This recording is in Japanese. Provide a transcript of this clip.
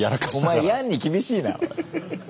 お前ヤンに厳しいな。